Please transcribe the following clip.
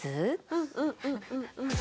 うんうんうんうん。